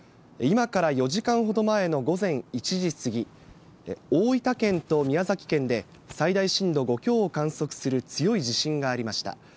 今から４時間ほど前の午前１時過ぎ、大分県と宮崎県で、最大震度５強を観測する強い地震がありました。